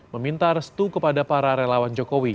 meminta restu kepada para relawan jokowi